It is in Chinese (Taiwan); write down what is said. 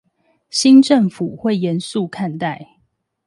新政府會嚴肅看待